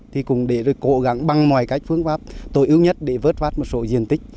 thì cũng để rồi cố gắng băng mọi cách phương pháp tối ưu nhất để vớt phát một số diện tích